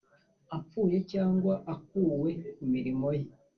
apfuye cyangwa akuwe ku mirimo ye